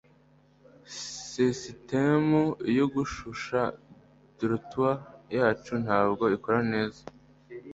Sisitemu yo gushyushya dortoir yacu ntabwo ikora neza